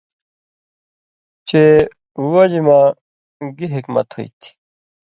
چے وجہۡ مہ گی حِکمت ہُوئ تھی